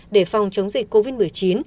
để phòng chống dịch covid một mươi chín